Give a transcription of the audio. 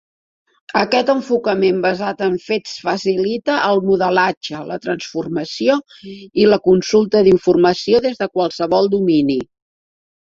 Aquest enfocament basat en fets facilita el modelatge, la transformació i la consulta d'informació des de qualsevol domini.